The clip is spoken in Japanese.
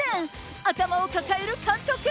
頭を抱える監督。